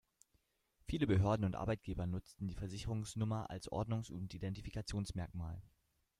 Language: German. Viele Behörden und Arbeitgeber nutzten die Versicherungsnummer als Ordnungs- und Identifikationsmerkmal.